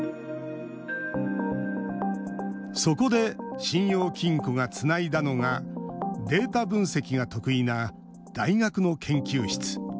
そこで、信用金庫がつないだのがデータ分析が得意な大学の研究室。